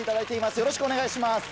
よろしくお願いします。